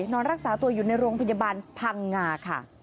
นอนรักษาตัวอยู่ในโรงพยาบาลพังงาค่ะ